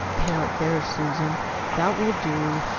"There, there, Susan, that will do.